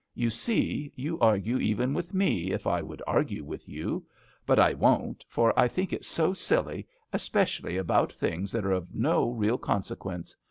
You see, you argue even with me if I would argue with you; but I won't, for I think it so silly, especially about things that are of no real conse quence.